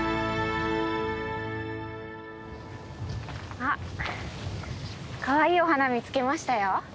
あっかわいいお花見つけましたよ。